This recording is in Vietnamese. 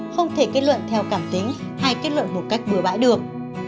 không thể kết luận theo cảm tính hay kết luận một cách bừa bãi được